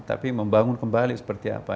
tapi membangun kembali seperti apa